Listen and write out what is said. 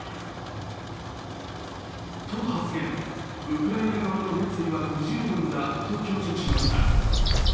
ウクライナ側の熱意は不十分だと強調しました。